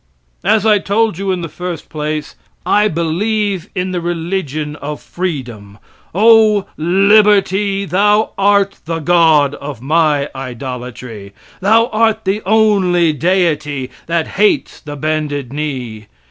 As I told you in the first place, I believe in the religion of freedom. O liberty! thou art the god of my idolatry. Thou art the only deity that hates the bended knee.